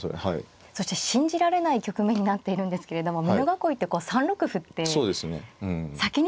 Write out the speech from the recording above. そして信じられない局面になっているんですけれども美濃囲いってこう３六歩って先に突くことってあるんですね。